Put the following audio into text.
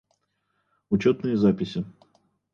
Учетные записи